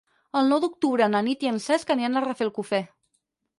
El nou d'octubre na Nit i en Cesc aniran a Rafelcofer.